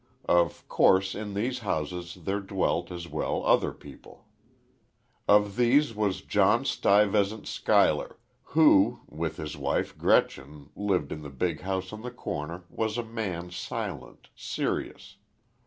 Of course, in these houses there dwelt, as well, other people. Of these was John Stuyvesant Schuyler, who, with his wife Gretchen, lived in the big house on the corner, was a man silent, serious.